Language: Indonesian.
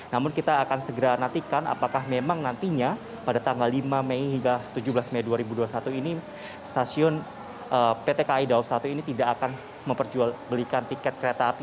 namun kita akan segera nantikan apakah memang nantinya pada tanggal lima mei hingga tujuh belas mei dua ribu dua puluh satu ini stasiun pt kai dawab satu ini tidak akan memperjual belikan tiket kereta api